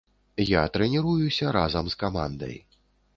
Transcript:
Я трэніруюся разам з камандай.